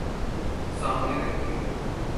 سامنے دیکھئے